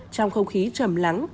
trong không khí trầm lắng